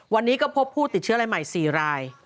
วันนี้ก็พบผู้ติดเชื้อรายใหม่๔ราย